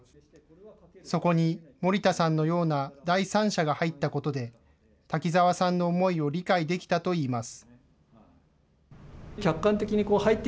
そこに森田さんのような第三者が入ったことで、瀧澤さんの思いを理解できたといいます。